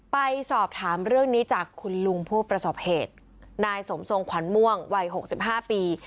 ไปสอบถามเรื่องนี้จากคุณลุงผู้ประสบเหตุนายสมทรงขวัญม่วงวัย๖๕ปี